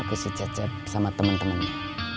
ke si cecep sama temen temennya